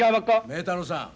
明太郎さん。